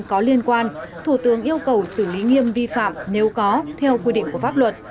có liên quan thủ tướng yêu cầu xử lý nghiêm vi phạm nếu có theo quy định của pháp luật